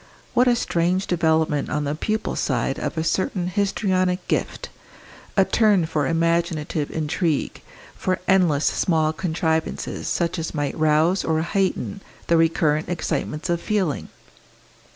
What a strange development on the pupil's side of a certain histrionic gift, a turn for imaginative intrigue, for endless small contrivances such as might rouse or heighten the recurrent excitements of feeling!